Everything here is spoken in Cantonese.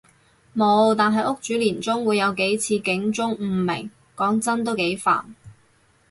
無，但係屋主年中會有幾次警鐘誤鳴，講真都幾煩